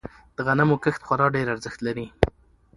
د غنمو کښت خورا ډیر ارزښت لری.